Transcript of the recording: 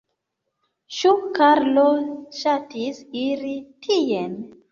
Ĉu Karlo ŝatis iri tien?